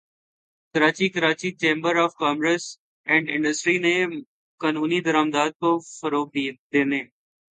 Karachi Karachi chamber of commerce and industry نے قانونی درآمدات کو فروغ دینے